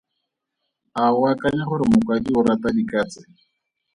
A o akanya gore mokwadi o rata dikatse?